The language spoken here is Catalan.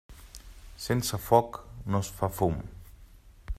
Sense foc no es fa fum.